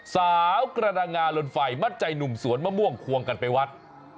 สาวกระดังงาลนไฟมัดใจหนุ่มสวนมะม่วงควงกันไปวัด